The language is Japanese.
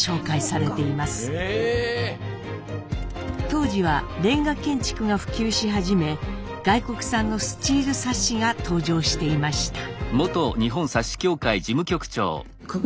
当時は煉瓦建築が普及し始め外国産のスチールサッシが登場していました。